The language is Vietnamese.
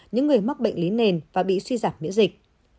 những người mắc bệnh lý nền và bị suy giảm miễn dịch